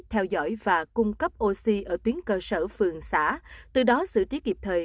theo dõi và cung cấp oxy ở tuyến cơ sở phường xã từ đó xử trí kịp thời